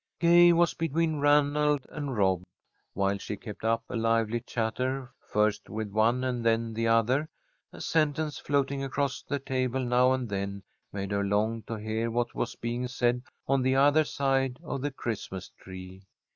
Gay was between Ranald and Rob. While she kept up a lively chatter, first with one and then the other, a sentence floating across the table now and then made her long to hear what was being said on the other side of the Christmas tree.